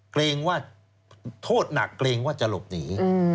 เกรงว่าโทษหนักเกรงว่าจะหลบหนี